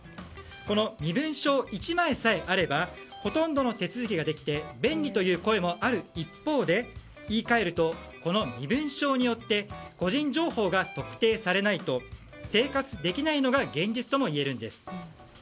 この身分証１枚さえあればほとんどの手続きができて便利という声もある一方で言い換えるとこの身分証によって個人情報が特定されないと生活できないのが現実ともいえるんです。